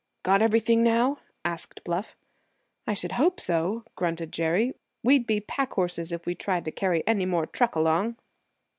"Got everything now?" asked Bluff. "I should hope so," grunted Jerry. "We'd be pack horses if we tried to carry any more truck along."